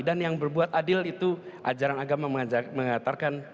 dan yang berbuat adil itu ajaran agama mengatakan